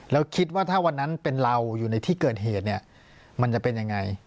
แล้วคิดว่าถ้าวันนั้นเป็นเราอยู่ในที่เกิดเหตุเนี่ยมันจะเป็นยังไง